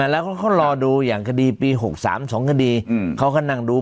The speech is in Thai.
แล้วเขารอดูอย่างคดีปี๖๓๒คดีเขาก็นั่งดู